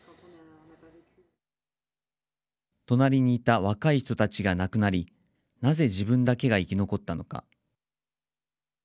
隣にいた若い人たちが亡くなりなぜ自分だけが生き残ったのか。